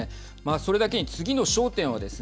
それだけ次の焦点はですね